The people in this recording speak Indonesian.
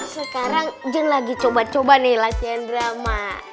sekarang jen lagi coba coba nih latihan drama